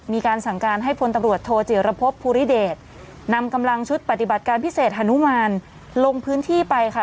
มีการสั่งการให้พลตำรวจโทจิรพบภูริเดชนำกำลังชุดปฏิบัติการพิเศษฮานุมานลงพื้นที่ไปค่ะ